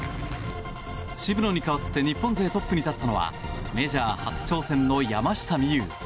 渋野に代わって日本勢トップに立ったのはメジャー初挑戦の山下美夢有。